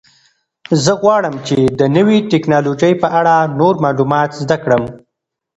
زه غواړم چې د نوې تکنالوژۍ په اړه نور معلومات زده کړم.